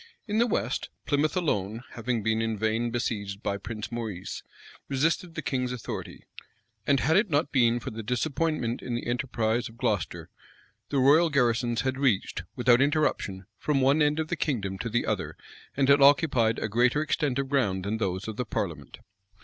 In the west, Plymouth alone, having been in vain besieged by Prince Maurice, resisted the king's authority; and had it not been for the disappointment in the enterprise of Gloucester, the royal garrisons had reached, without interruption, from one end of the kingdom to the other, and had occupied a greater extent of ground than those of the parliament.